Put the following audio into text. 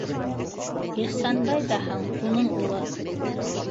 Ихсанбай ҙаһаң - уның улы.